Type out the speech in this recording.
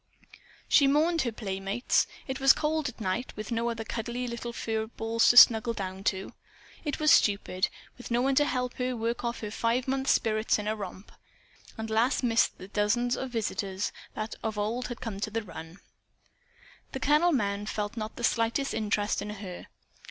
She mourned her playmates. It was cold, at night, with no other cuddly little fur ball to snuggle down to. It was stupid, with no one to help her work off her five months spirits in a romp. And Lass missed the dozens of visitors that of old had come to the run. The kennel men felt not the slightest interest in her.